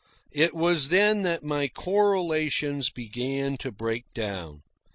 It was then that my correlations began to break down.